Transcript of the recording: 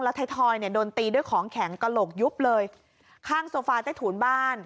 ไทยทอยเนี่ยโดนตีด้วยของแข็งกระโหลกยุบเลยข้างโซฟาใต้ถูนบ้าน